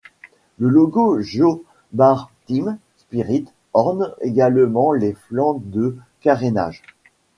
Le logo Joe Bar Team Spirit orne également les flancs de carénage.